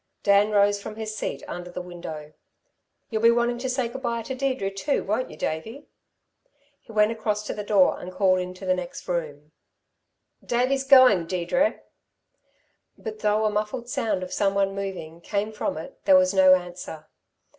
Dan rose from his seat under the window. "You'll be wanting to say good bye to Deirdre, too, won't you, Davey?" He went across to the door and called into the next room: "Davey's going, Deirdre!" But though a muffled sound of someone moving came from it, there was no answer.